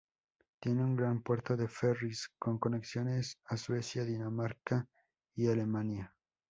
Tiene un gran puerto de ferrys con conexiones a Suecia, Dinamarca, y Alemania.